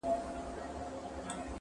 تل دي ښاد وي پر دنیا چي دي دوستان وي٫